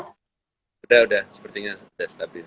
sudah sudah sepertinya sudah stabil